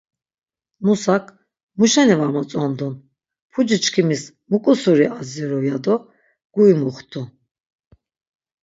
Nusak, Muşeni var motzondun, puci-çkimis mu ǩu-suri adziru ya do guri muxtu.